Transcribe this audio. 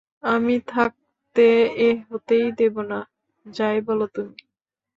আমি থাকতে এ হতেই দেব না, যাই বল তুমি।